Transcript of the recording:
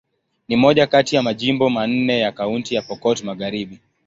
Ni moja kati ya majimbo manne ya Kaunti ya Pokot Magharibi.